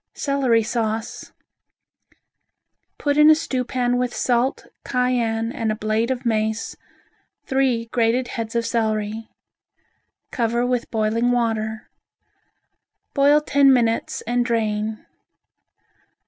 Celery Sauce Put in a stewpan with salt, cayenne and a blade of mace, three grated heads of celery. Cover with boiling water. Boil ten minutes and drain.